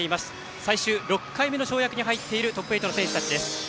最終６回目の跳躍に入っているトップ８の選手たちです。